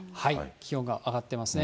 気温が上がってますね。